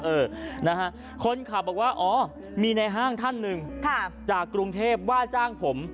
เออนะฮะคนขับบอกว่าอ๋อมีในห้างท่านหนึ่งจากกรุงเทพว่าจ้างผม